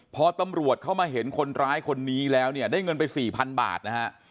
พอตำรวจเข้ามาเห็นคนร้ายคนนี้แล้วเนี่ยได้เงินไปสี่พันบาทนะฮะ